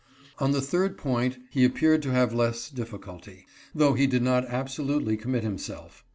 On the third point he appeared to have less difficulty, though he did not absolutely commit himself.